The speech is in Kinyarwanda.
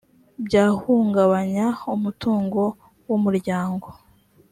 byahungabanya umutungo w umuryango